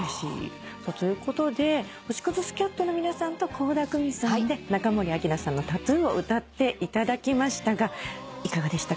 ということで星屑スキャットの皆さんと倖田來未さんで中森明菜さんの『ＴＡＴＴＯＯ』を歌っていただきましたがいかがでしたか？